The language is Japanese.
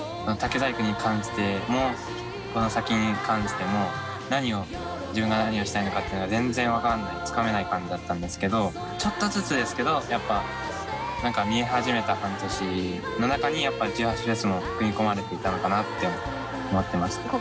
竹細工に関してもこの先に関しても自分が何をしたいのかっていうのが全然分かんないつかめない感じだったんですけどちょっとずつですけどやっぱ何か見え始めた半年の中にやっぱ１８祭も組み込まれていたのかなって思ってます。